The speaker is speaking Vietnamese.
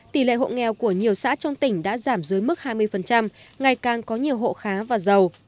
tỷ lệ hộ nghèo của nhiều xã trong tỉnh đã giảm dưới mức hai mươi ngày càng có nhiều hộ khá và giàu